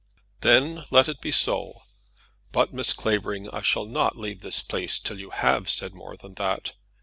"Then let it be so. But, Miss Clavering, I shall not leave this place till you have said more than that.